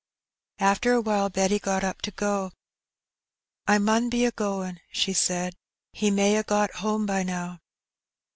After awhile Betty got up to go. " I mun be a goin'," she said, "he may a got home by now."